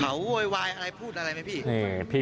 เขาไวพูดอะไรไหมพี่